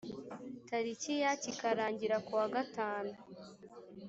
tariki ya kikarangira ku wa gatanu